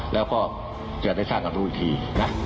แล้วก็จะได้สร้างความรู้อีกทีนะ